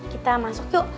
kita masuk yuk